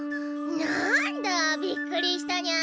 なんだびっくりしたニャ。